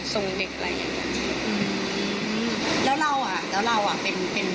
ส่งเด็กอะไรอย่างเงี้ยอืมแล้วเราอ่ะแล้วเราอ่ะเป็นเป็น